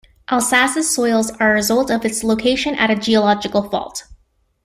Alsace's soils are a result of its location at a geological fault.